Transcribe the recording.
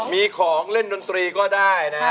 มีของเล่นดนตรีก็ได้นะฮะ